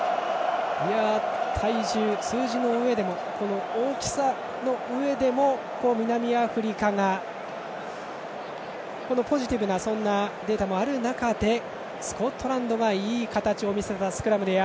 体重、数字の上でも大きさの上でも南アフリカがポジティブなデータもある中でスコットランドがいい形を見せたスクラムでした。